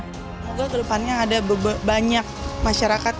semoga ke depannya ada banyak masyarakat